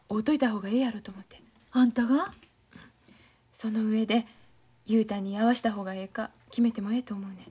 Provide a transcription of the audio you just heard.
その上で雄太に会わした方がええか決めてもええと思うねん。